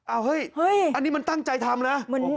อันนี้มันตั้งใจทำนะ